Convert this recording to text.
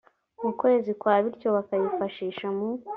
mu kwezi kwa bityo bakayifashisha mu